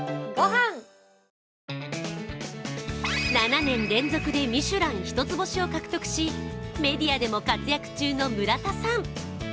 ７年連続でミシュラン一つ星を獲得し、メディアでも活躍中の村田さん。